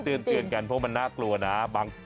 เตือนกันเพราะมันน่ากลัวนะ